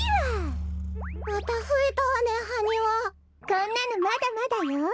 こんなのまだまだよ。